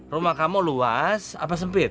rumah kamu luas apa sempit